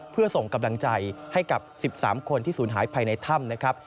เพื่อส่งกำลังใจให้กับ๑๓คนที่ศูนย์หายภายในถ้ำนะครับ